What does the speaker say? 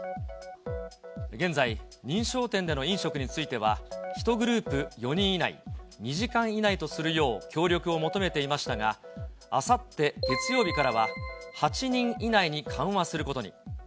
現在、認証店での飲食については、１グループ４人以内、２時間以内とするよう協力を求めていましたが、あさって月曜日からは、８人以内に緩和することに。